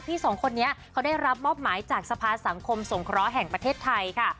สองคนนี้เขาได้รับมอบหมายจากสภาสังคมสงเคราะห์แห่งประเทศไทยค่ะ